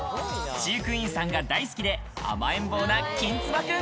飼育員さんが大好きで甘えん坊なきんつば君。